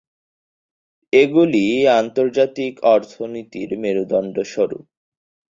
এগুলি আন্তর্জাতিক অর্থনীতির মেরুদণ্ডস্বরূপ।